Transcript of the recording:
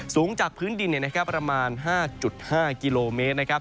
สูงจากพื้นดินประมาณ๕๕กิโลเมตร